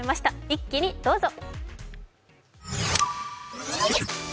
一気にどうぞ。